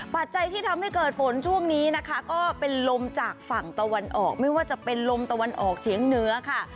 ปัจจัยที่ทำให้เกิดฝนช่วงนี้นะคะก็เป็นลมจากฝั่งตะวันออกไม่ว่าจะเป็นลมตะวันออกเฉียงเหนือค่ะ